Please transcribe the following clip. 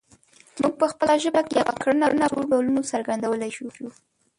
موږ په خپله ژبه کې یوه کړنه په څو ډولونو څرګندولی شو